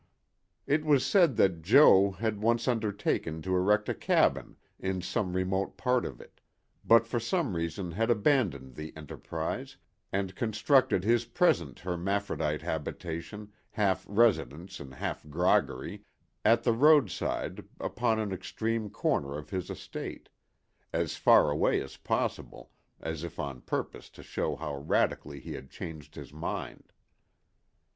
It was said that Jo. had once undertaken to erect a cabin in some remote part of it, but for some reason had abandoned the enterprise and constructed his present hermaphrodite habitation, half residence and half groggery, at the roadside, upon an extreme corner of his estate; as far away as possible, as if on purpose to show how radically he had changed his mind.